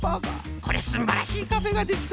これはすんばらしいカフェができそうじゃ！